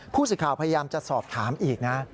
ผู้สื่อข่าวพยายามจะสอบถามอีกนะ